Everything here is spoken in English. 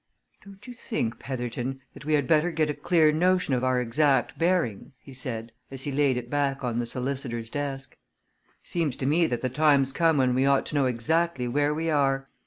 "Don't you think, Petherton, that we had better get a clear notion of our exact bearings?" he said as he laid it back on the solicitor's desk. "Seems to me that the time's come when we ought to know exactly where we are.